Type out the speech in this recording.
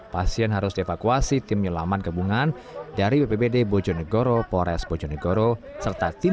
pasien harus devakuasi tim nyelaman kebungan dari bbb bojonegoro pores bojonegoro serta tim